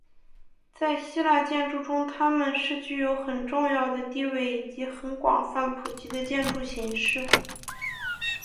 在希腊建筑中他们是具有很重要的地位以及很广泛普及的建筑形式。